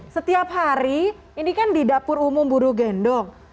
setiap hari ini kan di dapur umum buru gendong